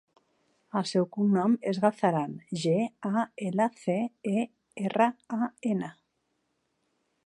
El seu cognom és Galceran: ge, a, ela, ce, e, erra, a, ena.